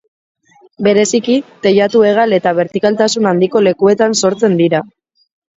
Bereziki teilatu-hegal eta bertikaltasun handiko lekuetan sortzen dira.